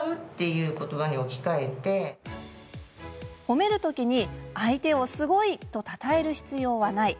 褒める時に、相手をすごいとたたえる必要はない。